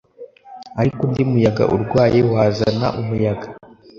Ariko undi muyaga urwaye wazana umuyaga